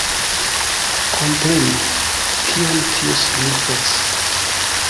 Komprenu, kion tio signifas!